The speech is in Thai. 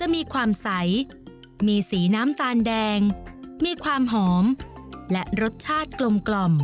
จะมีความใสมีสีน้ำตาลแดงมีความหอมและรสชาติกลม